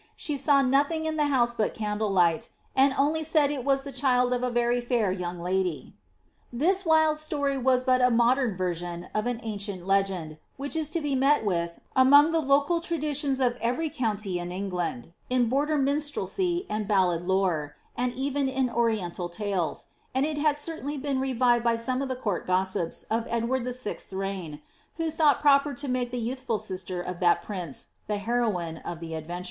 She saw nothing in the house but candle light, and only said it was tlie child of a very fair young lady." This wild story was but a modern version of an ancient legend, which is to be met with among the local traditions of every county in England, in border minstrelsy and ballad lore, and even ill oriental tales ; and it had certainly been revived by some of the court gossips of Eklward the Sixth's reign, who thought proper to make the ytjutbfu] sister of that prince the heroine of the adventure.